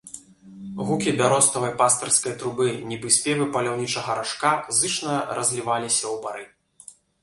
Гукі бяроставай пастырскай трубы, нібы спевы паляўнічага ражка, зычна разліваліся ў бары.